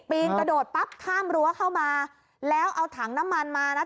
ปีนกระโดดปั๊บข้ามรั้วเข้ามาแล้วเอาถังน้ำมันมานะ